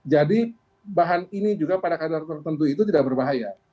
jadi bahan ini juga pada kadar tertentu itu tidak berbahaya